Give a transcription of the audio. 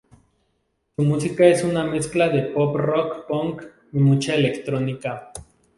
Su música es una mezcla de pop, rock, punk y mucha electrónica.